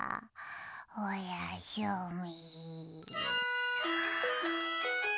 おやすみ。